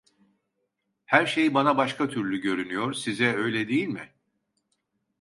Her şey bana başka türlü görünüyor; size öyle değil mi?